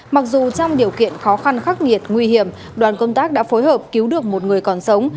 mặc dù trong điều kiện khó khăn khắc nghiệt nguy hiểm đoàn công tác đã phối hợp cứu được một người còn sống